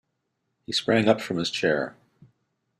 He sprang up from his chair.